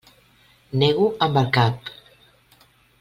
Nego amb el cap.